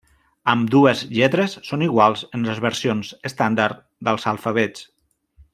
Ambdues lletres són iguals en les versions estàndard dels alfabets.